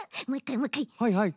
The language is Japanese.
はいはい。